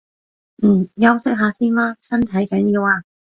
嗯，休息下先啦，身體緊要啊